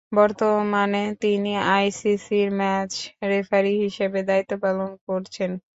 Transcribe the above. বর্তমানে তিনি আইসিসি’র match referee হিসেবে দায়িত্ব পালন করছেন।